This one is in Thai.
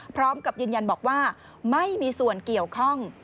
พร้อมกับยืนยันบอกว่าไม่มีส่วนเกี่ยวข้อง